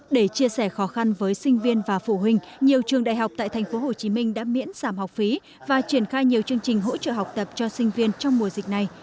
để chia sẻ khó khăn với sinh viên và phụ huynh nhiều trường đại học tại tp hcm đã miễn giảm học phí và triển khai nhiều chương trình hỗ trợ học tập cho sinh viên trong mùa dịch này